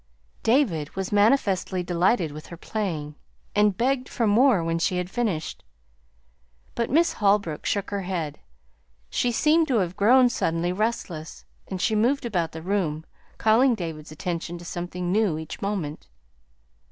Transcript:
David was manifestly delighted with her playing, and begged for more when she had finished; but Miss Holbrook shook her head. She seemed to have grown suddenly restless, and she moved about the room calling David's attention to something new each moment.